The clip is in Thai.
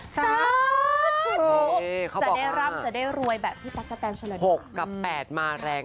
สาธุจะได้ร่ำจะได้รวยแบบพี่ปั๊กกะแตนชะลัง